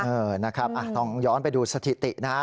เออนะครับต้องย้อนไปดูสถิตินะฮะ